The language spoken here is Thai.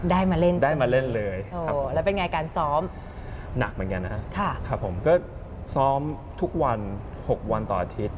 ได้มาเล่นตรงนี้แล้วเป็นยังไงการซ้อมหนักเหมือนกันนะฮะซ้อมทุกวัน๖วันต่ออาทิตย์